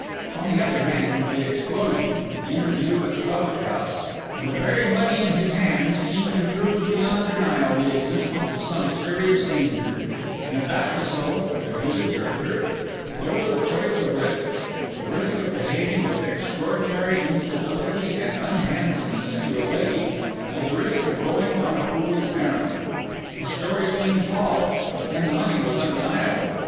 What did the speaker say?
On the other hand, the explosion, the interview at the public house, and the very money in his hands, seemed to prove beyond denial the existence of some serious danger; and if that were so, could he desert her? There was a choice of risks: the risk of behaving with extraordinary incivility and unhandsomeness to a lady, and the risk of going on a fool's errand. The story seemed false; but then the money was undeniable.